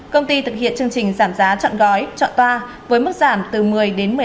công ty thực hiện chương trình giảm giá chọn gói chọn toa với mức giảm từ một mươi đến một mươi năm